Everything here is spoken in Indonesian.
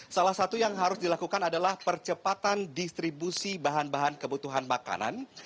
salah satu yang harus dilakukan adalah percepatan distribusi bahan bahan kebutuhan makanan